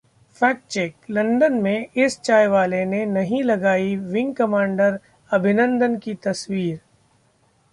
fact check: London में इस “चायवाले” ने नहीं लगाई विंग कमांडर अभिनन्दन की तस्वीर